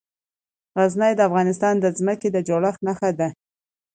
غزني د افغانستان د ځمکې د جوړښت نښه ده.